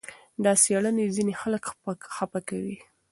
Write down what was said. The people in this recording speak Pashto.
دا څېړنې ځینې خلک خپه کوي.